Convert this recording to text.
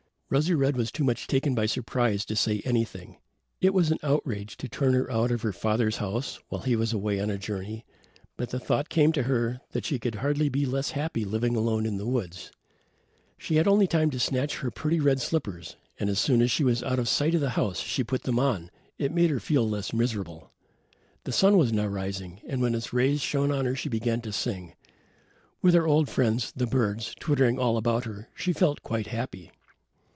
Rosy red was too much taken by surprise to say anything. It was an outrage to turn her out of her father's house while he was away on a journey, but the thought came to her that she could hardly be less happy living alone in the woods. She had only time to snatch her pretty red slippers, and as soon as she was out of sight of the house she put them on. It made her feel less miserable. The sun was now rising and when its rays shone on her she began to sing. With her old friends, the birds, twittering all about her, she felt quite happy.